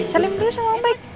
salim dulu sama baik